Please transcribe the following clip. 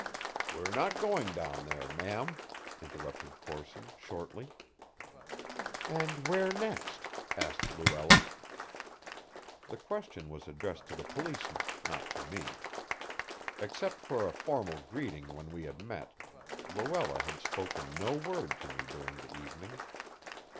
"We're not going down there, ma'am," interrupted Corson shortly. "And where next?" asked Luella. The question was addressed to the policeman, not to me. Except for a formal greeting when we had met, Luella had spoken no word to me during the evening.